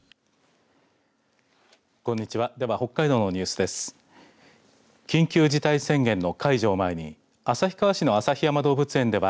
こんにちは。